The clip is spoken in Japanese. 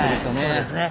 そうですね。